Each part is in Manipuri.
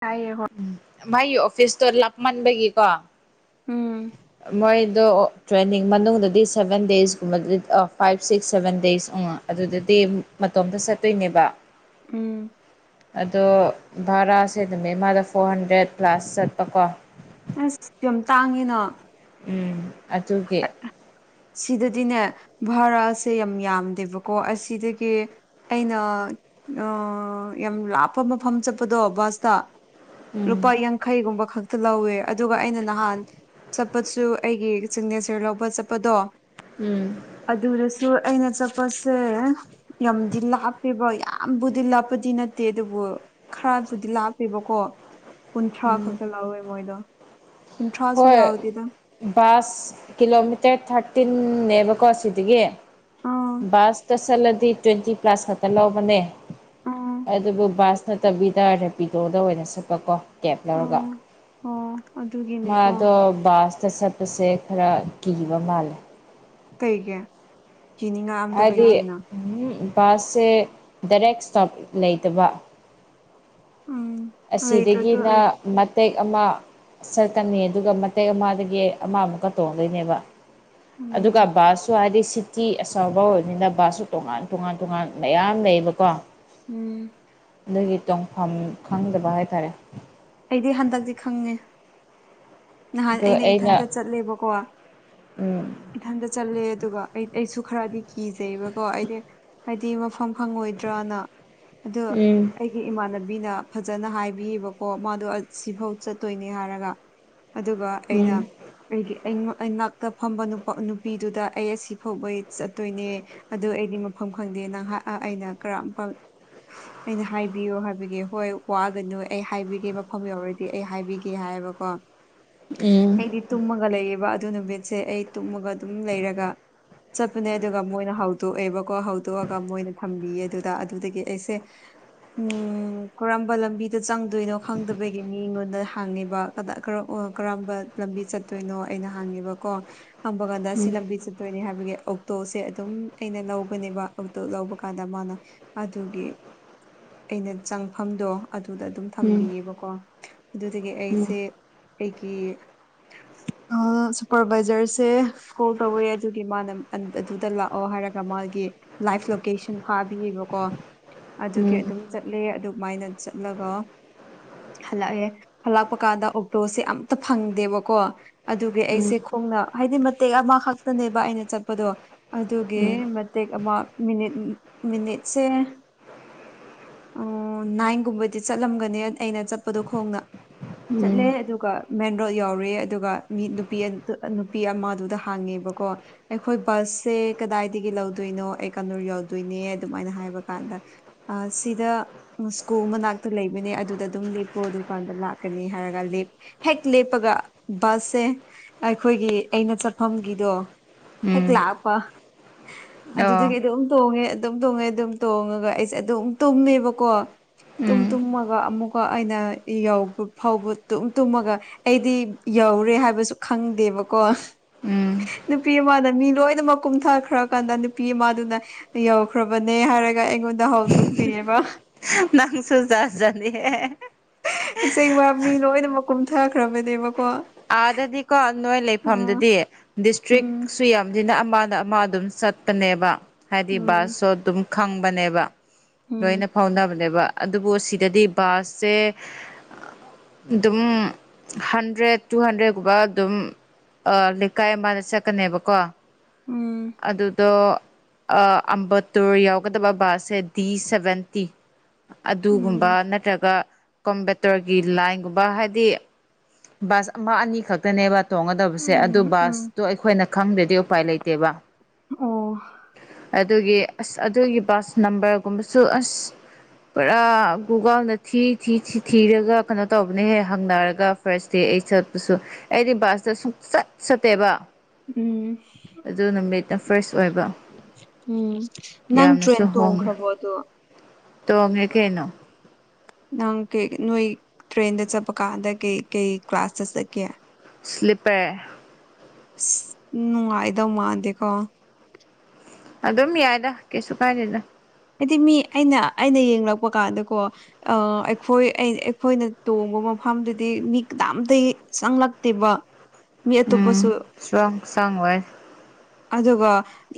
ꯇꯥꯏꯌꯦ ꯍꯣꯏ ꯎꯝ ꯃꯥꯥꯏꯒꯤ ꯑꯣꯐꯤꯁꯇꯣ ꯂꯥꯞꯃꯟꯕꯒꯤꯀꯣ ꯎꯝ ꯃꯣꯏꯗꯣ ꯇ꯭ꯔꯦꯟꯅꯤꯡ ꯃꯅꯨꯡꯗꯗꯤ ꯁꯚꯦꯟ ꯗꯦꯁꯀꯨꯝꯕꯗꯗꯤ ꯐꯥꯏꯚ ꯁꯤꯛꯁ ꯁꯚꯦꯟ ꯗꯦꯖ ꯑꯥ ꯑꯗꯨꯗꯗꯤ ꯃꯇꯣꯝꯇ ꯆꯠꯇꯣꯏꯅꯦꯕ ꯎꯝ ꯑꯗꯣ ꯚꯔꯥꯁꯦ ꯅꯨꯃꯤꯠ ꯑꯃꯗ ꯐꯣꯔ ꯍꯟꯗ꯭ꯔꯦꯠ ꯄ꯭ꯂꯥꯁ ꯆꯠꯄꯀꯣ ꯑꯁ ꯌꯥꯝ ꯇꯥꯡꯉꯤꯅ ꯎꯝ ꯑꯗꯨꯒꯤ ꯁꯤꯗꯗꯤꯅꯦ ꯚꯥꯔꯁꯦ ꯌꯥꯝ ꯌꯥꯝꯗꯦꯕꯀꯣ ꯑꯁꯤꯗꯒꯤ ꯑꯩꯅ ꯑꯥ ꯌꯥꯝ ꯂꯥꯞꯄ ꯃꯐꯝ ꯆꯠꯄꯗꯣ ꯕꯁꯇ ꯔꯨꯄꯥ ꯎꯝ ꯌꯥꯡ ꯈꯩꯒꯨꯝꯕ ꯈꯛꯇ ꯂꯧꯋꯦ ꯑꯗꯨꯒ ꯑꯩꯅ ꯅꯍꯥꯟ ꯆꯠꯄꯁꯨ ꯑꯩꯒꯤ ꯁꯤꯒꯅꯦꯆꯔ ꯂꯧꯕ ꯆꯠꯄꯗꯣ ꯎꯝ ꯑꯗꯨꯗꯁꯨ ꯑꯩꯅ ꯆꯠꯄꯁꯦ ꯌꯥꯝꯗꯤ ꯂꯥꯞꯄꯦꯕ ꯌꯥ ꯌꯥꯝꯕꯨꯗꯤ ꯂꯥꯞꯄꯗꯤ ꯅꯠꯇꯦ ꯑꯗꯨꯕꯨ ꯈꯔꯕꯨꯗꯤ ꯂꯥꯞꯄꯦꯕꯀꯣ ꯀꯨꯟꯊ꯭ꯔꯥ ꯎꯝ ꯈꯛꯇ ꯂꯧꯋꯦ ꯃꯣꯏꯗꯣ ꯀꯨꯟꯊ꯭ꯔꯥꯁꯨ ꯍꯣꯏ ꯌꯥꯎꯗꯦꯗ ꯕꯥꯁ ꯀꯤꯂꯣꯃꯤꯇꯔ ꯊꯥꯔꯇꯤꯟꯅꯦꯕꯀꯣ ꯁꯤꯗꯒꯤ ꯑꯥ ꯕꯥꯁꯇ ꯆꯠꯂꯗꯤ ꯇ꯭ꯋꯦꯟꯇꯤ ꯄ꯭ꯂꯁ ꯈꯛꯇ ꯂꯧꯕꯅꯦ ꯎꯝ ꯑꯗꯨꯕꯨ ꯕꯥꯁ ꯅꯠꯇꯕꯤꯗ ꯔꯦꯄꯤꯗꯣꯗ ꯑꯣꯏꯅ ꯁꯛꯄꯀꯣ ꯀꯦꯕ ꯂꯧꯔꯒ ꯎꯝ ꯑꯣ ꯑꯗꯨꯒꯤꯅꯦꯀꯣ ꯃꯥꯗꯣ ꯕꯥꯁꯇ ꯆꯠꯄꯁꯦ ꯈꯔ ꯀꯤꯕ ꯃꯥꯜꯂꯦ ꯀꯩꯒꯤ ꯀꯤꯅꯤꯡꯉꯥꯏ ꯑꯝꯇ ꯂꯩꯇꯦꯅ ꯎꯨ ꯕꯥꯁꯁꯦ ꯗꯥꯏꯔꯦꯛ ꯏꯁꯇꯣꯞ ꯂꯩꯇꯕ ꯎꯨꯝ ꯑꯁꯤꯗꯒꯤꯅ ꯃꯇꯦꯛ ꯑꯃ ꯆꯠꯀꯅꯤ ꯑꯗꯨꯒ ꯃꯇꯦꯛ ꯑꯃꯗꯒꯤ ꯑꯃꯃꯨꯛꯀ ꯇꯣꯡꯗꯣꯏꯅꯦꯕ ꯑꯗꯨꯒ ꯎꯝ ꯕꯥꯁꯨ ꯍꯥꯏꯗꯤ ꯁꯤ ꯇꯤ ꯑꯆꯧꯕ ꯑꯣꯏꯕꯅꯤꯅ ꯕꯥꯁꯁꯨ ꯇꯣꯉꯥꯟ ꯇꯣꯉꯥꯟ ꯇꯣꯉꯥꯟ ꯃꯌꯥꯝ ꯂꯩꯌꯦꯕꯀꯣ ꯎꯨꯝ ꯑꯗꯨꯒꯤ ꯇꯣꯡꯐꯝ ꯈꯪꯗꯕ ꯍꯥꯏꯇꯥꯔꯦ ꯑꯩꯗꯤ ꯍꯟꯗꯛꯇꯤ ꯈꯪꯉꯦ ꯅꯍꯥꯟ ꯑꯩꯅ ꯏꯊꯟꯇ ꯆꯠꯂꯦꯕꯀꯣ ꯎꯝ ꯏꯊꯟꯇ ꯆꯠꯂꯦ ꯑꯗꯨꯒ ꯑꯩ ꯑꯩꯁꯨ ꯈꯔꯗꯤ ꯀꯤꯖꯩꯕꯀꯣ ꯑꯩꯗꯤ ꯍꯥꯏꯗꯤ ꯃꯐꯝ ꯈꯪꯉꯣꯏꯗ꯭ꯔꯅ ꯑꯗꯨ ꯑꯩ ꯎꯝ ꯑꯩꯒꯤ ꯏꯃꯥꯟꯅꯕꯤꯅ ꯐꯖꯅ ꯍꯥꯏꯕꯤꯕꯀꯣ ꯃꯥꯗꯣ ꯁꯤꯐꯥꯎ ꯆꯠꯇꯣꯏꯅꯦ ꯍꯥꯏꯔꯒ ꯑꯗꯨꯒ ꯑꯩꯅ ꯎꯝ ꯑꯩꯒꯤ ꯑꯩꯉ ꯏꯅꯥꯛꯇ ꯐꯝꯕ ꯅꯨꯄꯥ ꯅꯨꯄꯤꯗꯨꯗ ꯑꯩ ꯑꯥꯁꯤ ꯐꯥꯎꯕꯩ ꯆꯠꯇꯣꯏꯅꯦ ꯑꯗꯨ ꯑꯩꯗꯤ ꯃꯐꯝ ꯈꯪꯗꯦ ꯅꯪꯍꯥꯛ ꯑꯩꯅ ꯀꯔꯝ ꯑꯩꯅ ꯍꯥꯏꯕꯤꯌꯨ ꯍꯥꯏꯕꯒꯤ ꯍꯣꯏ ꯋꯥꯒꯅꯨ ꯑꯩ ꯍꯥꯏꯕꯤꯒꯦ ꯃꯐꯝ ꯌꯧꯔꯗꯤ ꯑꯩ ꯍꯥꯏꯕꯤꯒꯦ ꯍꯥꯏꯕꯀꯣ ꯎꯝ ꯑꯩꯗꯤ ꯇꯨꯝꯃꯒ ꯂꯩꯌꯦꯕ ꯑꯗꯨ ꯅꯨꯃꯤꯠꯁꯦ ꯑꯩ ꯇꯨꯝꯃꯒ ꯑꯗꯨꯝ ꯂꯩꯔꯒ ꯆꯠꯄꯅꯦ ꯑꯗꯨꯒ ꯃꯣꯏꯅ ꯍꯧꯗꯣꯛꯑꯦꯕꯀꯣ ꯍꯧꯗꯣꯛꯑꯒ ꯃꯣꯏꯅ ꯊꯝꯕꯤꯌꯦ ꯑꯗꯨꯗ ꯑꯗꯨꯗꯒꯤ ꯑꯩꯁꯦ ꯎꯝ ꯀꯔꯝꯕ ꯂꯝꯕꯤꯗ ꯆꯪꯗꯣꯏꯅꯣ ꯈꯪꯗꯕꯒꯤ ꯃꯤꯉꯣꯟꯗ ꯍꯪꯉꯦꯕ ꯀꯗꯥ ꯀꯔ ꯀꯔꯝꯕ ꯂꯝꯕꯤ ꯆꯠꯇꯣꯏꯅꯣ ꯑꯩꯅ ꯍꯪꯉꯦꯕꯀꯣ ꯍꯪꯕ ꯀꯥꯟꯗ ꯑꯁꯤ ꯂꯝꯕꯤ ꯆꯥ ꯑꯗꯨꯣꯏꯅꯦ ꯍꯥꯏꯕꯒꯤ ꯑꯣꯛꯇꯣꯁꯦ ꯑꯗꯨꯝ ꯑꯩꯅ ꯂꯧꯕꯅꯦꯕ ꯑꯣꯛꯇꯣ ꯂꯧꯕ ꯀꯥꯟꯗ ꯃꯥꯅ ꯑꯗꯨꯒꯤ ꯑꯩꯅ ꯆꯪꯐꯝꯗꯣ ꯑꯗꯨꯗ ꯑꯗꯨꯝ ꯎꯝ ꯊꯝꯕꯤꯌꯦꯕꯀꯣ ꯑꯗꯨꯗꯒꯤ ꯑꯩꯁꯦ ꯑꯩꯒꯤ ꯑꯥ ꯁꯨꯄꯔꯚꯥꯏꯖꯔꯁꯦ ꯀꯣꯜ ꯇꯧꯋꯦ ꯑꯗꯨꯒꯤ ꯃꯥꯅ ꯑꯟ ꯑꯗꯨꯗ ꯂꯥꯛꯑꯣ ꯍꯥꯏꯔꯒ ꯃꯥꯒꯤ ꯂꯥꯏꯚ ꯂꯣꯀꯦꯁꯟ ꯊꯥꯕꯤꯌꯦꯕꯀꯣ ꯑꯗꯨꯒꯤ ꯎꯝ ꯑꯗꯨꯝ ꯆꯠꯂꯦ ꯑꯗꯨꯃꯥꯏꯅ ꯆꯠꯂꯒ ꯍꯜꯂꯛꯑꯦ ꯍꯜꯂꯛꯄꯀꯥꯟꯗ ꯑꯣ ꯔꫭꯁ ꯁꯦ ꯑꯝꯇ ꯐꯪꯗꯦꯕꯀꯣ ꯑꯗꯨꯒꯤ ꯑꯩꯁꯦ ꯈꫭꯡꯅ ꯍꯥꯏꯗꯤ ꯃꯇꯦꯛ ꯑꯃꯈꯛꯇꯅꯦꯕ ꯑꯩꯅ ꯆꯠꯄꯗꯣ ꯑꯗꯨꯒꯤ ꯃꯇꯦꯛ ꯑꯃ ꯃꯤꯅꯤꯠ ꯃꯤꯅꯤꯠꯁꯦ ꯑ ꯅꯥꯏꯟꯒꯨꯝꯕꯗꯤ ꯆꯠꯂꯝꯒꯅꯤ ꯑꯩꯅ ꯆꯠꯄꯗꯣ ꯈꯣꯡꯅ ꯆꯠꯂꯦ ꯎꯝ ꯑꯗꯨꯒ ꯃꯦꯟ ꯔꯣꯗ ꯌꯧꯔꯦ ꯑꯗꯨꯒ ꯃꯤ ꯅꯨꯄꯤ ꯅꯨꯄꯤ ꯑꯃꯗꯨꯗ ꯍꯡꯉꯦꯕꯀꯣ ꯑꯩꯈꯣꯏ [unintelligible] ꯀꯗꯥꯏꯗꯒꯤ ꯂꯧꯗꯣꯏꯅꯣ ꯑꯩ [unintelligible] ꯌꯥꯎꯗꯣꯏꯅꯦ ꯑꯗꯨꯝꯃꯥꯏꯅ ꯍꯥꯏꯕ ꯀꯥꯟꯗ ꯑꯥ ꯁꯤꯗ [unintelligible] ꯁ꯭ꯀꯨꯜ ꯃꯅꯥꯛꯇ ꯂꯩꯕꯅꯦ ꯑꯗꯨꯗ ꯑꯗꯨꯝ ꯂꯦꯞꯄꯣ ꯑꯗꯨꯀꯥꯟꯗ ꯂꯥꯛꯀꯅꯤ ꯍꯥꯏꯔꯒ ꯍꯦꯛ ꯂꯦꯞꯄꯒ ꯕꯁꯁꯦ ꯑꯩꯈꯣꯏꯒꯤ ꯑꯩꯅ ꯆꯠꯐꯝꯒꯤꯗꯣ ꯍꯦꯛ ꯎꯝ ꯂꯥꯛꯄ ꯑꯣ ꯑꯗꯨꯗꯒꯤ ꯑꯗꯨꯝ ꯇꯣꯡꯉꯦ ꯑꯗꯨꯝ ꯇꯣꯡꯉꯦ ꯑꯗꯨꯝ ꯇꯣꯡꯉꯒ ꯑꯩꯁꯦ ꯑꯗꯨꯝ ꯇꯨꯝꯃꯦꯕꯀꯣ ꯇꯨꯝ ꯎꯝ ꯇꯨꯝꯃꯒ ꯑꯃꯨꯛꯀ ꯑꯩꯅ ꯌꯧꯕ ꯐꯥꯎꯕ ꯇꯨꯝ ꯇꯨꯝꯃꯒ ꯑꯩꯗꯤ ꯌꯧꯔꯦ ꯍꯥꯏꯕꯁꯨ ꯈꯪꯗꯦꯕꯀꯣ ꯎꯝ ꯅꯨꯄꯤ ꯑꯃꯅ ꯃꯤ ꯂꯣꯏꯅꯃꯛ ꯀꯨꯝꯊꯈ꯭ꯔꯀꯥꯟꯗ ꯅꯨꯄꯤ ꯑꯃꯗꯨꯅ ꯌꯧꯈ꯭ꯔꯕꯅꯦ ꯍꯥꯏꯔꯒ ꯑꯩꯉꯣꯟꯗ ꯍꯧꯗꯣꯛꯄꯤꯔꯦꯕ ꯅꯪꯁꯨ ꯖꯥꯠ ꯖꯥꯠꯅꯤꯍꯦ ꯑꯁꯦꯡꯕ ꯃꯤ ꯂꯣꯏꯅꯃꯛ ꯀꯨꯝꯊꯈ꯭ꯔꯕꯅꯦꯕꯀꯣ ꯑꯥꯗꯗꯤꯀꯣ ꯅꯣꯏ ꯎꯝ ꯂꯩꯐꯝꯗꯗꯤ ꯗꯤꯁꯇ꯭ꯔꯤꯛ ꯎꯝ ꯁꯨ ꯌꯥꯝ ꯖꯤꯅ ꯑꯃꯗ ꯑꯃ ꯑꯗꯨꯝ ꯆꯠꯄꯅꯦꯕ ꯍꯥꯏꯗꯤ ꯎꯝ ꯕꯥꯁꯁꯨ ꯑꯗꯨꯝ ꯈꯪꯕꯅꯦꯕ ꯂꯣꯏꯅ ꯐꯥꯎꯅꯕꯅꯦꯕ ꯑꯗꯨꯕꯨ ꯁꯤꯗꯗꯤ ꯕꯥꯁꯁꯦ ꯑꯗꯨꯝ ꯍꯟꯗ꯭ꯔꯦꯠ ꯇꯨ ꯍꯟꯗ꯭ꯔꯦꯠꯀꯨꯝꯕ ꯑꯗꯨꯝ ꯑ ꯂꯩꯀꯥꯏ ꯑꯃꯗ ꯆꯠꯀꯅꯦꯕꯀꯣ ꯎꯝ ꯑꯗꯨꯗꯣ ꯑ ꯑꯝꯕꯇꯨꯔ ꯌꯥꯎꯒꯗꯕ ꯕꯥꯁꯁꯦ ꯗꯤ ꯁꯕꯦꯟꯇꯤ ꯑꯗꯨꯒꯨꯝꯕ ꯎꯝ ꯅꯠꯇ꯭ꯔꯒ ꯀꯣꯝꯕꯦꯇꯔꯒꯤ ꯂꯥꯏꯟꯒꯨꯝꯕ ꯍꯥꯏꯗꯤ ꯕꯥꯁ ꯑꯃ ꯑꯅꯤ ꯈꯛꯇꯅꯦꯕ ꯇꯣꯡꯒꯗꯕꯁꯦ ꯑꯗꯨ ꯎꯝ ꯎꯝ ꯎꯝ ꯕꯥꯁꯇꯣ ꯑꯩꯈꯣꯏꯅ ꯈꯪꯗ꯭ꯔꯗꯤ ꯎꯄꯥꯏ ꯂꯩꯇꯦꯕ ꯑꯣ ꯑꯗꯨꯒꯤ ꯑꯁ ꯑꯗꯨꯒꯤ ꯕꯥꯁ ꯅꯝꯕꯔꯒꯨꯝꯕꯁꯨ ꯑꯁ ꯄꯨꯔꯥ ꯒꯨꯒꯜꯅ ꯊꯤ ꯊꯤ ꯊꯤꯔꯒ ꯀꯩꯅꯣ ꯇꯧꯕꯅꯦꯍꯦ ꯍꯪꯅꯔꯒ ꯐꯥꯔꯁ ꯗꯦ ꯑꯩ ꯆꯠꯄꯁꯨ ꯑꯩꯗꯤ ꯕꯥꯁꯇ ꯁꯨꯡꯆꯠ ꯆꯠꯇꯦꯕ ꯎꯝ ꯑꯗꯨ ꯅꯨꯃꯤꯠꯅ ꯐꯥꯔꯁ ꯑꯣꯏꯕ ꯎꯝ ꯅꯪ ꯇ꯭ꯔꯦꯟ ꯌꯥꯝꯅꯁꯨ ꯍꯣꯡꯉꯦ ꯇꯣꯡꯈ꯭ꯔꯕꯣ ꯑꯗꯨ ꯇꯣꯡꯉꯦ ꯑ ꯀꯩꯅꯣ ꯅꯪ ꯀꯩ ꯅꯣꯏ ꯇ꯭ꯔꯦꯟꯗ ꯆꯠꯄ ꯀꯥꯟꯗ ꯀꯩ ꯀꯩ ꯀ꯭ꯂꯥꯁꯇ ꯆꯠꯀꯦ ꯏꯁꯂꯤꯞꯄꯦ ꯅꯨꯡꯉꯥꯏꯗꯧ ꯃꯥꯟꯗꯦꯀꫭ ꯑꯗꯨꯝ ꯌꯥꯏꯗ ꯀꯩꯁꯨ ꯀꯥꯏꯗꯦꯗ ꯑꯩꯗꯤ ꯃꯤ ꯑꯩꯅ ꯑꯩꯅ ꯌꯦꯡꯂꯛꯄ ꯀꯥꯟꯗꯀꯣ ꯑ ꯑꯩꯈꯣꯏ ꯑꯩꯈꯣꯏꯅ ꯇꯣꯡꯕ ꯃꯐꯝꯗꯨꯗꯤ ꯃꯤ ꯀꯅꯥꯝꯇꯩ ꯆꯪꯂꯛꯇꯦꯕ ꯃꯤ‌ ꯑꯇꫭꯞꯄꯁꯨ ꯎꯝ ꯆꯨꯋꯥꯡ ꯆꯥꯡ ꯋꯥꯏ ꯑꯗꯨꯒ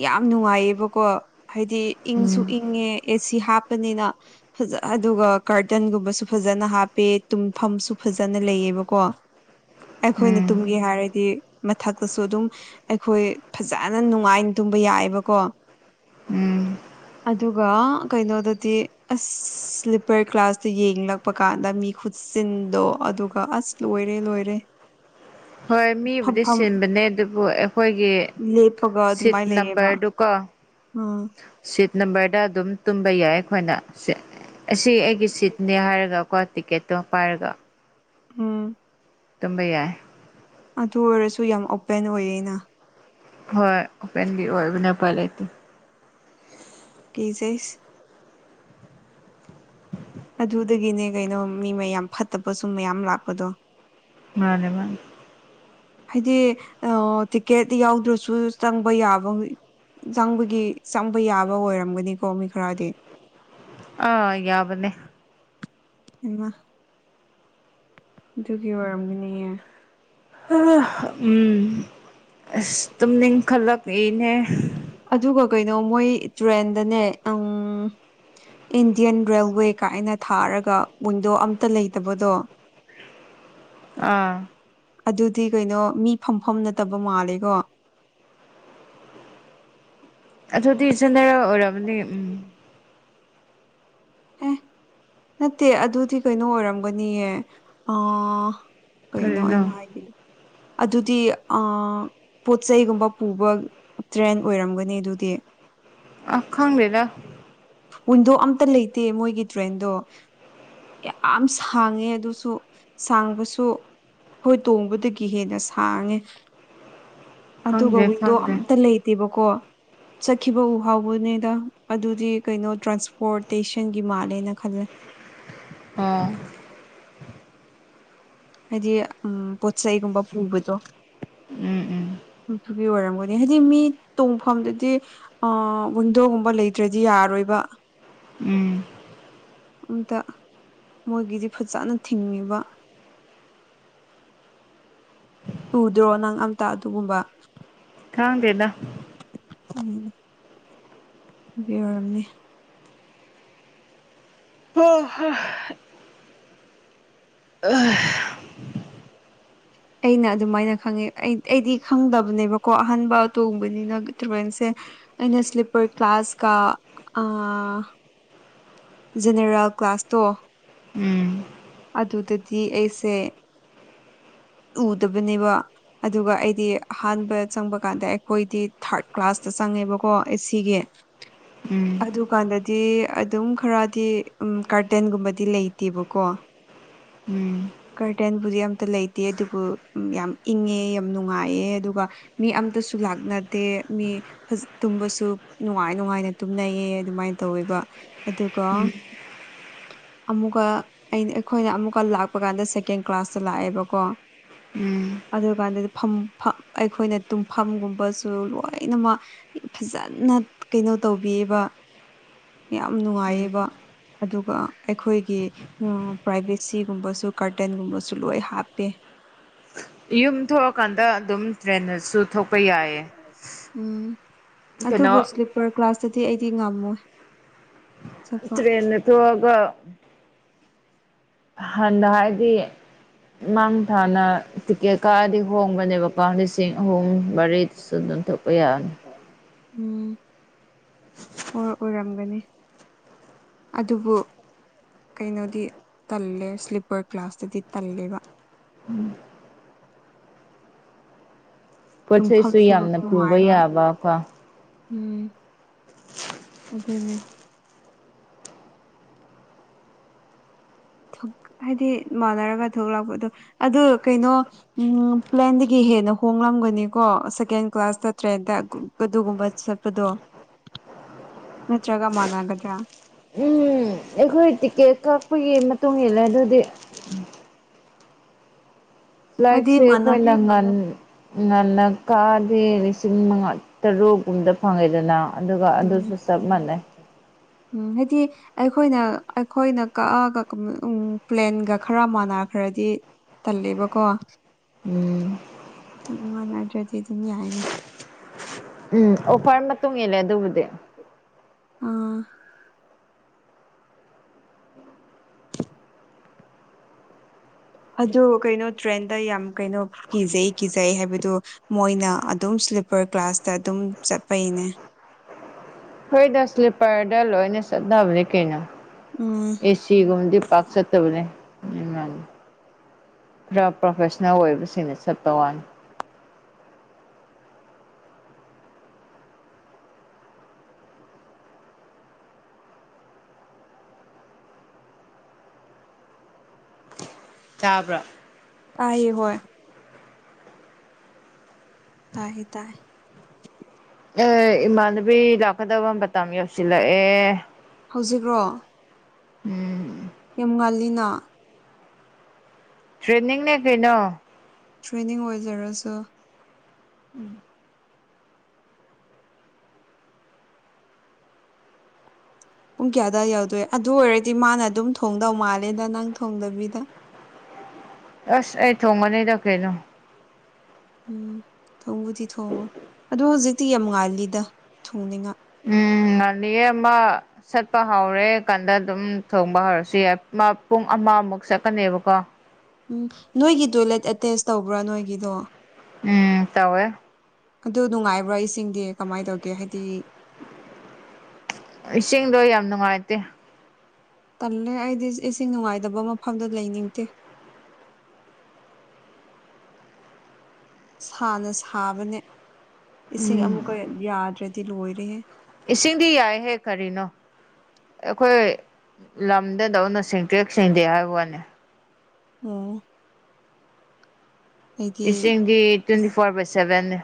ꯌꯥꯝ ꯅꯨꯡꯉꯥꯏꯌꯦꯕꯀꯣ ꯍꯥꯏꯗꯤ ꯏꯪꯁꯨ ꯎꯝ ꯏꯪꯉꯦ ꯑꯦꯁꯤ ꯍꯥꯞꯄꯅꯤꯅ ꯐꯖ ꯑꯗꯨꯒ ꯀꯥꯔꯇꯟꯒꯨꯝꯕꯁꯨ ꯐꯖꯅ ꯍꯥꯞꯄꯦ ꯇꯨꯝꯐꯝꯁꯨ ꯐꯖꯅ ꯂꯩꯌꯦꯕꯀꯣ ꯑꯩꯈꯣꯏꯅ ꯎꯝ ꯇꯨꯝꯒꯦ ꯍꯥꯏꯔꯗꯤ ꯃꯊꯛꯇꯁꯨ ꯑꯗꯨꯝ ꯑꯩꯈꯣꯏ ꯐꯖꯅ ꯅꯨꯡꯉꯥꯏꯅ ꯇꯨꯝꯕ ꯌꯥꯏꯕꯀꯣ ꯎꯝ ꯑꯗꯨꯒ ꯀꯩꯅꯣꯗꯗꯤ ꯑꯁ ꯁ꯭ꯂꯤꯞꯄꯔ ꯀ꯭ꯂꯥꯁꯇ ꯌꯦꯡꯂꯛ ꯄ ꯀꯥꯟꯗ ꯃꯤ ꯈꯨꯠꯆꯤꯟꯗꯣ ꯑꯗꯨꯒ ꯑꯁ ꯂꯣꯏꯔꯦ ꯂꯣꯏꯔꯦ ꯍꯣꯏ ꯃꯤꯕꯨꯗꯤ ꯐꯝꯐꯝ ꯁꯤꯟꯕꯅꯦ ꯑꯗꯨꯕꯨ ꯑꯩꯈꯣꯏꯒꯤ ꯂꯦꯞꯄꯒ ꯁꯤꯠ ꯑꯗꯨꯃꯥꯏꯅ ꯂꯩꯌꯦꯕ ꯅꯝꯕꯔꯗꯨ ꯀꯣ ꯎꯝ ꯁꯤꯠ ꯅꯝꯕꯔꯗ ꯑꯗꯨꯝ ꯇꯨꯝꯕ ꯌꯥꯏ ꯑꯩꯈꯣꯏꯅ ꯁꯤ ꯑꯁꯤ ꯑꯩꯒꯤ ꯁꯤꯠꯅꯦ ꯍꯥꯏꯔꯒ ꯀꯣ ꯇꯤꯀꯦꯠꯇꯣ ꯄꯥꯏꯔꯒ ꯎꯝ ꯇꯨꯝꯕ ꯌꯥꯏ ꯑꯗꯨ ꯑꯣꯏꯔꯁꯨ ꯌꯥꯝ ꯑꯣꯄꯦꯟ ꯑꯣꯏꯌꯦꯅ ꯍꯣꯏ ꯑꯣꯄꯦꯟꯒꯤ ꯑꯣꯏꯕꯅꯦ ꯎꯄꯥꯥꯏ ꯂꯩꯇꯦ ꯀꯤꯖꯩꯁ ꯑꯗꯨꯗꯒꯤꯅꯦ ꯀꯩꯅꯣ ꯃꯤ ꯃꯌꯥꯝ ꯐꯠꯇꯕ ꯁꯨꯝ ꯃꯌꯥꯝ ꯂꯥꯛꯄꯗꯣ ꯃꯥꯅꯦ ꯃꯥꯅꯦ ꯍꯥꯏꯗꯤ ꯑꯣ ꯇꯤꯀꯦꯠ ꯌꯥꯎꯗ꯭ꯔꯁꯨ ꯆꯪꯕ ꯌꯥꯕ ꯆꯪꯕꯒꯤ ꯆꯪꯕ ꯌꯥꯕ ꯑꯣꯏꯔꯝꯒꯅꯤꯀꯣ ꯃꯤ ꯈꯔꯗꯤ ꯑ ꯌꯥꯕꯅꯦ ꯍꯩꯃꯥ ꯑꯗꯨꯒꯤ ꯑꯣꯏꯔꯝꯒꯅꯤꯌꯦ ꯍꯥ ꯍ ꯎꯝ ꯑꯁ ꯇꯨꯝꯅꯤꯡꯈꯠꯂꯛꯏꯅꯦ ꯑꯗꯨꯒ ꯀꯩꯅꯣ ꯃꯣꯏ ꯇ꯭ꯔꯦꯟꯗꯅꯦ ꯑꯪ ꯏꯟꯗꯤꯌꯥꯟ ꯔꯦꯜꯋꯦ ꯀꯥꯏꯅ ꯊꯥꯔꯒ ꯋꯤꯟꯗꯣ ꯑꯝꯇ ꯂꯩꯇꯕꯗꯣ ꯑꯥ ꯑꯗꯨꯗꯤ ꯀꯩꯅꯣ ꯃꯤ ꯐꯝꯐꯝ ꯅꯠꯇꯕ ꯃꯥꯜꯂꯦꯀꯣ ꯑꯗꯨꯗꯤ ꯖꯦꯅꯔꯦꯜ ꯑꯣꯏꯔꯕꯅꯦ ꯎꯝ ꯑꯦ ꯅꯠꯇꯦ ꯑꯗꯨꯗꯤ ꯀꯩꯅꯣ ꯑꯣꯏꯔꯝꯒꯅꯤꯌꯦ ꯑ ꯀꯩꯅꯣ ꯀꯔꯤꯅꯣ ꯑꯩꯅ ꯍꯥꯏꯈꯤꯗꯣ ꯑꯗꯨꯗꯤ ꯑ ꯄꯣꯠ ꯆꯩꯩꯒꯨꯝꯕ ꯄꯨꯕ ꯇ꯭ꯔꯦꯟ ꯑꯣꯏꯔꯝꯒꯅꯤ ꯑꯗꯨꯗꯤ ꯑ ꯈꯪꯗꯦꯗ ꯋꯤꯟꯗꯣ ꯑꯝꯇ ꯂꯩꯇꯦ ꯃꯣꯏꯒꯤ ꯇ꯭ꯔꯦꯟꯗꯣ ꯌꯥꯝ ꯁꯥꯡꯉꯦ ꯑꯗꯨꯁꯨ ꯁꯥꯡꯕꯁꯨ ꯍꯣꯏ ꯇꯣꯡꯕꯗꯒꯤ ꯍꯦꯟꯅ ꯁꯥꯡꯉꯦ ꯑꯗꯨꯒ ꯈꯪꯗꯦ ꯋꯤꯟꯗꯣ ꯈꯪꯗꯦ ꯑꯝꯇ ꯂꯩ ꯇꯦꯕꯀꯣ ꯆꯠꯈꯤꯕ ꯎ ꯍꯥꯎꯕꯅꯦꯗ ꯑꯗꯨꯗꯤ ꯀꯩꯅꯣ ꯇ꯭ꯔꯥꯟꯁꯄꯣꯔꯇꯦꯁꯟꯒꯤ ꯃꯥꯜꯂꯦꯅ ꯈꯜꯂꯦ ꯑꯥ ꯍꯥꯏꯗꯤ ꯎꯝ ꯄꯣꯠꯆꯩꯒꯨꯝꯕ ꯄꯨꯕꯗꯣ ꯎꯝ ꯎꯝ ꯑꯗꯨꯒꯤ ꯑꯣꯏꯔꯝꯒꯅꯤ ꯍꯥꯏꯗꯤ ꯃꯤ ꯇꯣꯡꯐꯝꯗꯗꯤ ꯑ ꯋꯤꯟꯗꯣꯒꯨꯝꯕ ꯂꯩꯇ꯭ꯔꯗꯤ ꯌꯥꯔꯣꯏꯕ ꯎꯝ ꯑꯝꯇ ꯃꯣꯏꯒꯤꯗꯤ ꯐꯖꯅ ꯊꯤꯡꯉꯦꯕ ꯎꯗ꯭ꯔꯣ ꯅꯪ ꯑꯝꯇ ꯑꯗꯨꯒꯨꯝꯕ ꯈꯪꯗꯦꯗ ꯎꯝ ꯒꯤ ꯑꯣꯏꯔꯝꯅꯤ ꯍꯥ ꯍ ꯑꯩꯅ ꯑꯗꯨꯃꯥꯏꯅ ꯈꯪꯉꯦ ꯑꯩ ꯑꯩꯗꯤ ꯈꯪꯗꯕꯅꯦꯕꯀꯣ ꯑꯍꯥꯟꯕ ꯇꯣꯡꯕꯅꯤꯅ ꯇ꯭ꯔꯦꯟꯁꯦ꯫ ꯑꯩꯅ ꯁ꯭ꯂꯤꯞꯄꯔ ꯀ꯭ꯂꯥꯁ ꯀ ꯑ ꯖꯦꯅꯦꯔꯦꯜ ꯀ꯭ꯂꯥꯁꯇꯣ꯫ ꯑꯗꯨꯗꯗꯤ ꯑꯩꯁꯦ ꯎꯗꯕꯅꯦꯕ꯫ ꯑꯗꯨꯒ ꯑꯩꯗꯤ ꯑꯍꯥꯟꯕ ꯆꯪꯕ ꯀꯥꯟꯗ ꯑꯩꯈꯣꯏꯗꯤ ꯊꯥꯔꯠ ꯀ꯭ꯂꯥꯁꯇ ꯆꯪꯉꯦꯕꯀꯣ ꯑꯦ ꯁꯤꯒꯤ꯫ [inaudible] ꯎꯝ꯫ ꯑꯗꯨꯀꯥꯟꯗꯗꯤ ꯑꯗꯨꯝ ꯈꯔꯗꯤ ꯎꯝ ꯀꯥꯔꯇꯦꯟꯒꯨꯝꯕꯗꯤ ꯂꯩꯇꯦꯕꯀꯣ꯫ ꯎꯝ꯫ ꯀꯔꯇꯦꯟꯕꯨꯗꯤ ꯑꯝꯇ ꯂꯩꯇꯦ ꯑꯗꯨꯕꯨ ꯌꯥꯝ ꯏꯪꯉꯦ ꯌꯥꯝ ꯅꯨꯡꯉꯥꯏꯑꯦ ꯑꯗꯨꯒ ꯃꯤ ꯑꯝꯇꯁꯨ ꯂꯥꯛꯅꯗꯦ ꯃꯤ ꯐꯁ ꯇꯨꯝꯕꯁꯨ ꯅꯨꯡꯉꯥꯏ ꯅꯨꯡꯉꯥꯏꯅ ꯇꯨꯝꯅꯩꯌꯦ ꯑꯗꯨꯃꯥꯏꯅ ꯇꯧꯋꯦꯕ꯫ ꯑꯗꯨꯒ ꯑꯃꯨꯛꯀꯥ ꯑꯩꯅ ꯑꯩꯈꯣꯏꯅ ꯑꯃꯨꯛꯀ ꯂꯥꯛꯄ ꯀꯥꯟꯗ ꯁꯦꯀꯦꯟ ꯀ꯭ꯂꯥꯁꯇ ꯂꯥꯛꯑꯦꯕꯀꯣ꯫ ꯎꯝ ꯑꯗꯨꯀꯥꯟꯗꯗꯤ ꯐꯝ ꯐꯛ ꯑꯩꯈꯣꯏꯅ ꯇꯨꯝꯐꯝꯒꯨꯝꯕꯁꯨ ꯂꯣꯏꯅꯃꯛ ꯌꯝ ꯐꯖꯥꯟꯅ ꯀꯩꯅꯣ ꯇꯧꯕꯤꯌꯦꯕ꯫ ꯌꯥꯝ ꯅꯨꯡꯉꯥꯏꯌꯦꯕ ꯑꯗꯨꯒ ꯑꯩꯈꯣꯏꯒꯤ ꯎ ꯄ꯭ꯔꯥꯏꯚꯦꯠꯁꯤꯒꯨꯝꯕꯁꯨ ꯀꯥꯔꯇꯦꯟꯒꯨꯝꯕꯁꯨ ꯂꯣꯏ ꯍꯥꯞꯄꯦ꯫ ꯌꯨꯝ ꯊꯣꯛꯑꯀꯥꯟꯗ ꯑꯗꯨꯝ ꯇ꯭ꯔꯦꯟꯗꯁꯨ ꯊꯣꯛꯄ ꯌꯥꯏꯌꯦ꯫ ꯎꯝ ꯑꯗꯨꯕꯨ ꯀꯩꯅꯣ ꯏꯁ꯭ꯂꯤꯞꯄꯔ ꯀ꯭ꯂꯥꯁꯇꯗꯤ ꯑꯩꯗꯤ ꯉꯝꯃꯣꯏ꯫ ꯆꯠꯄ ꯇ꯭ꯔꯦꯅꯗ ꯊꯣꯛꯑꯒ ꯍꯟꯅ ꯍꯥꯏꯗꯤ ꯃꯥꯡ ꯊꯥꯅ ꯇꯤꯀꯦꯠ ꯀꯥꯛꯑꯗꯤ ꯍꯣꯡꯕꯅꯦꯕꯀꯣ ꯂꯤꯁꯤꯡ ꯑꯍꯨꯝ ꯃꯔꯤꯁꯨ ꯑꯗꯨꯝ ꯊꯣꯛꯄ ꯌꯥꯅꯤ꯫ ꯎꯝ꯫ ꯑꯣ ꯑꯣꯏꯔꯝꯒꯅꯤ ꯑꯗꯨꯕꯨ ꯀꯩꯅꯣꯗꯤ ꯇꯜꯂꯦ ꯁ꯭ꯂꯤꯞꯄꯔ ꯀ꯭ꯂꯥꯁꯇꯗꯤ ꯇꯜꯂꯦꯕ꯫ ꯄꯣꯠ ꯆꯩꯩꯁꯨ ꯇꯨꯝꯐꯝꯁꯨ ꯌꯥꯝꯅ ꯄꯨꯕ ꯅꯨꯡꯉꯥꯏꯔꯣꯏ ꯌꯥꯕ ꯀꯣ꯫ ꯎꯝ꯫ [inaudible] ꯑꯗꯨꯅꯦ꯫ ꯊꯨꯛ ꯍꯥꯏꯗꯤ ꯃꯥꯟꯅꯔꯒ ꯊꯣꯛꯂꯥꯛꯄꯗꯣ ꯑꯗꯨ ꯀꯩꯅꯣ ꯎꯝ ꯄ꯭ꯂꯦꯟꯗꯒꯤ ꯍꯦꯟꯅ ꯍꯣꯡꯂꯝꯒꯅꯤꯀꯣ ꯁꯦꯀꯦꯟ ꯀ꯭ꯂꯥꯁꯇ ꯇ꯭ꯔꯦꯟꯗ ꯒ ꯑꯗꯨꯒꯨꯝꯕ ꯆꯠꯄꯗꯣ ꯅꯠꯇ꯭ꯔꯒ ꯃꯥꯟꯅꯒꯗ꯭ꯔꯥ꯫ ꯎꯝ ꯑꯩꯈꯣꯏ ꯇꯤꯛꯀꯦꯠ ꯀꯛꯄꯒꯤ ꯃꯇꯨꯡ ꯏꯜꯂꯦ ꯑꯗꯨꯗꯤ꯫ ꯎꯝ꯫ ꯍꯥꯏꯗꯤ ꯂꯥꯏꯛꯁꯦ ꯃꯥꯟꯅ ꯑꯩꯈꯣꯏꯅ ꯉꯟ ꯉꯟꯅ ꯀꯥꯛꯑꯗꯤ ꯂꯤꯁꯤꯡ ꯃꯉꯥ ꯇꯔꯨꯛꯒꯨꯝꯕꯗ ꯐꯪꯉꯦꯗꯅ꯫ ꯑꯗꯨꯒ ꯎꯝ ꯑꯗꯨꯁꯨ ꯆꯥꯞ ꯃꯥꯟꯅꯩ꯫ ꯎꯝ ꯍꯥꯏꯗꯤ ꯑꯩꯈꯣꯏꯅ ꯑꯩꯈꯣꯏꯅ ꯀꯥꯛꯑꯒ ꯎꯝ ꯄ꯭ꯂꯦꯟꯒ ꯈꯔ ꯃꯥꯟꯅꯈ꯭ꯔꯗꯤ ꯇꯜꯂꯦꯕꯀꯣ ꯎꯝ ꯎꯝ ꯃꯥꯟꯅꯗ꯭ꯔꯗꯤ ꯑꯗꯨꯝ ꯌꯥꯏꯅ꯫ ꯎꯝ ꯑꯣꯐꯔ ꯃꯇꯨꯡ ꯏꯜꯂꯦ ꯑꯗꯨꯕꯨꯗꯤ꯫ ꯑꯥ꯫ ꯑꯗꯨ ꯀꯩꯅꯣ ꯇ꯭ꯔꯦꯟꯗ ꯌꯥꯝ ꯀꯩꯅꯣ ꯀꯤꯖꯩ-ꯀꯤꯖꯩ ꯍꯥꯏꯕꯗꯨ ꯃꯣꯏꯅ ꯑꯗꯨꯝ ꯏꯁ꯭ꯂꯤꯞꯄꯔ ꯀ꯭ꯂꯥꯁꯇ ꯑꯗꯨꯝ ꯆꯥꯠꯄꯩꯅꯦ ꯍꯣꯏꯗ ꯏꯁ꯭ꯂꯤꯞꯄꯔꯗ ꯂꯣꯏꯅ ꯆꯠꯅꯕꯅꯦ ꯀꯩꯅꯣ ꯎꯝ ꯑꯦ ꯁꯤ ꯒꯨꯝꯕꯗꯤ ꯄꯥꯛ ꯆꯠꯇꯕꯅꯦ ꯃꯤꯅꯥ ꯈꯔ ꯄ꯭ꯔꯣꯐꯦꯁꯅꯦꯜ ꯑꯣꯏꯕꯁꯤꯡꯅ ꯆꯥꯠꯄ ꯋꯥꯅꯤ ꯇꯥꯕ꯭ꯔꯥ ꯇꯥꯏꯌꯦ ꯍꯣꯏ ꯇꯥꯏꯔꯦ ꯇꯥꯏꯔꯦ ꯑꯦ ꯏꯃꯥꯟꯅꯕꯤ ꯂꯥꯛꯀꯗꯕ ꯃꯇꯝ ꯌꯧꯁꯤꯜꯂꯛꯑꯦ ꯍꯧꯖꯤꯛꯔꯣ ꯎꯝ ꯌꯥꯝ ꯉꯜꯂꯤꯅ ꯇ꯭ꯔꯦꯟꯅꯤꯡꯅꯦ ꯀꯩꯅꯣ ꯇ꯭ꯔꯦꯅꯤꯡ ꯑꯣꯏꯖꯔꯁꯨ [inaudible] ꯄꯨꯡ ꯀꯌꯥ ꯑꯗꯥꯏ ꯌꯧꯎꯗꯣꯏ ꯑꯗꯨ ꯑꯣꯏꯔꯗꯤ ꯃꯥꯅ ꯑꯗꯨꯝ ꯊꯣꯡꯗꯧ ꯃꯥꯜꯂꯦꯗ ꯅꯪ ꯊꯣꯡꯗꯕꯤꯗ ꯑꯁ ꯑꯩ ꯊꯣꯡꯒꯥꯅꯤꯗ ꯀꯩꯅꯣ ꯎꯝ ꯊꯧꯡꯕꯨꯗꯤ ꯊꯣꯡꯉꯣ ꯑꯗꯣ ꯍꯧꯖꯤꯛꯇꯤ ꯌꯥꯝ ꯉꯥꯜꯂꯤꯗ ꯊꯣꯡꯅꯤꯡꯉꯥꯏ ꯎꯝ ꯉꯜꯂꯤꯌꯦ ꯃꯥ ꯆꯠꯄ ꯍꯧꯔꯦ ꯀꯥꯟꯗ ꯑꯗꯨꯝ ꯊꯣꯡꯕ ꯍꯧꯔꯁꯨ ꯌꯥꯏ ꯄꯨꯡ ꯑꯃꯃꯨꯛ ꯆꯠꯀꯅꯤꯕꯀꯣ [inaudible] ꯎꯝ ꯅꯣꯏꯒꯤ ꯇꯣꯏꯂꯦꯠ ꯑꯦꯇꯦꯆ ꯇꯧꯕ꯭ꯔꯥ ꯅꯣꯏꯒꯤꯗꯣ ꯑꯦ ꯇꯧꯋꯦ ꯑꯗꯨ ꯅꯨꯡꯉꯥꯏꯕ꯭ꯔꯥ ꯏꯁꯤꯡꯗꯤ ꯀꯃꯥꯏꯅ ꯇꯧꯒꯦ ꯍꯥꯏꯗꯤ ꯏꯁꯤꯡꯗꯣ ꯌꯥꯝ ꯅꯨꯡꯉꯥꯏꯇꯦ ꯇꯜꯂꯦ ꯑꯩꯗꯤ ꯏꯁꯤꯡ ꯅꯨꯡꯉꯥꯏꯇꯕ ꯃꯐꯝꯗ ꯂꯩꯅꯤꯡꯇꯦ ꯁꯥꯅ ꯁꯥꯕꯅꯦ ꯏꯁꯤꯡ ꯑꯃꯨꯛꯀ ꯌꯥꯗ꯭ꯔꯗꯤ ꯂꯣꯏꯔꯦꯍꯦ ꯏꯁꯤꯡꯗꯤ ꯌꯥꯏꯍꯦ ꯀꯔꯤꯅꯣ ꯑꯩꯈꯣꯏ ꯂꯝꯗꯗꯧꯅ ꯁꯦꯡꯇꯔꯤꯛ ꯁꯦꯡꯗꯦ ꯍꯥꯏꯕ ꯋꯥꯅꯤ ꯑꯣ ꯑꯩꯗꯤ ꯏꯁꯤꯡꯗꯤ ꯇ꯭ꯋꯦꯟꯇꯤ ꯐꯣꯔ ꯕꯥꯏ ꯁꯚꯦꯟꯅꯦ